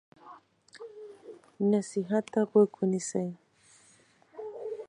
نصیحت ته غوږ ونیسئ.